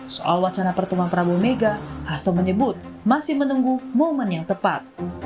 soal wacana pertemuan prabowo mega hasto menyebut masih menunggu momen yang tepat